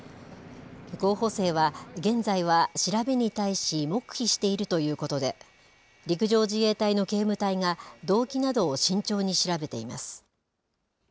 候補生は、現在は調べに対し、黙秘しているということで、陸上自衛隊の警務隊が動機などを慎重に調べています。